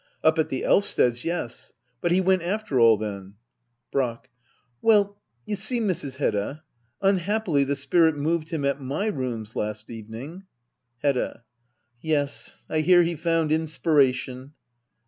Up at the Elvsteds', yes. But he went after all, then ? Brack. Well, you see, Mrs. Hedda — unhappily the spirit moved him at my rooms last evening Medda. Yes, I hear he found inspiration.